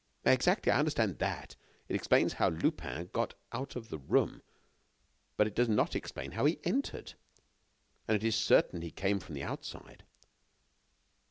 "Exactly. I understand that. It explains how Lupin got out of the room, but it does not explain how he entered. And it is certain he came from the outside."